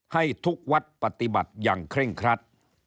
ให้ทุกวัดปฏิบัติอย่างเคร่งครัด